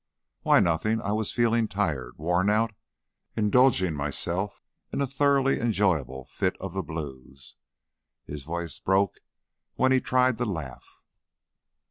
"Why, nothing. I was feeling tired, worn out. Indulging myself in a thoroughly enjoyable fit of the blues." His voice broke when he tried to laugh.